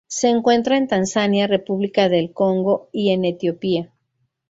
Se encuentra en Tanzania, República del Congo y en Etiopía.